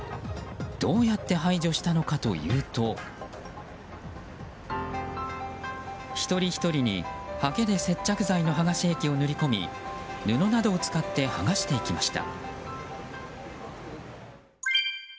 どうやって排除したのかというと一人ひとりに、はけで接着剤の剥がし液を塗り込み布などを使って剥がしていきました。